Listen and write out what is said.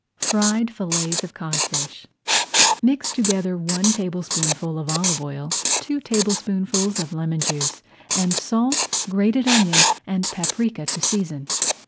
FRIED FILLETS OF CODFISH Mix together one tablespoonful of olive oil, two tablespoonfuls of lemon juice, and salt, grated onion, and paprika to season.